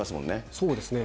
そうですね。